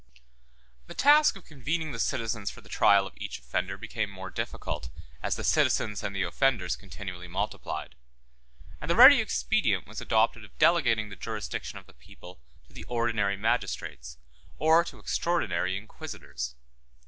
2. The task of convening the citizens for the trial of each offender became more difficult, as the citizens and the offenders continually multiplied; and the ready expedient was adopted of delegating the jurisdiction of the people to the ordinary magistrates, or to extraordinary inquisitors.